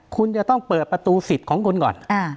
คุณจะต้องเปิดประตูสิทธิ์ของคุณก่อน